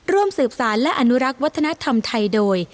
ร่วมสืบสารและอนุรักษ์วัฒนธรรมไทยโดย